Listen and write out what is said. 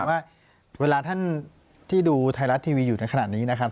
ว่าเวลาท่านที่ดูไทยรัฐทีวีอยู่ในขณะนี้นะครับ